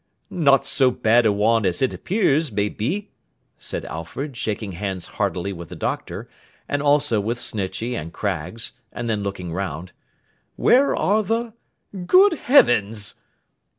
'Not so bad a one as it appears, may be,' said Alfred, shaking hands heartily with the Doctor, and also with Snitchey and Craggs, and then looking round. 'Where are the—Good Heavens!